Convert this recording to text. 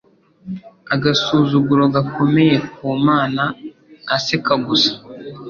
agasuzuguro gakomeye ku Mana aseka gusa